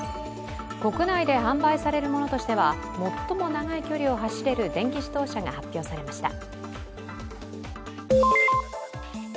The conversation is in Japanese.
国内で販売されるものとしては最も長い距離を走れる電気自動車が発表されました。